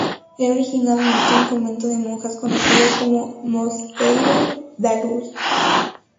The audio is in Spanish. Era originalmente un convento de monjas, conocido como "Mosteiro da Luz".